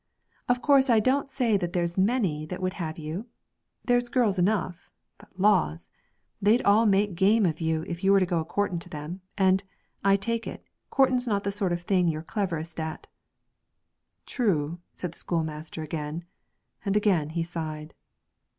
'Of course I don't say that there's many that would have you; there's girls enough but laws! they'd all make game of you if you were to go a courting to them, and, I take it, courting's not the sort of thing you're cleverest at.' 'True,' said the schoolmaster again, and again he sighed.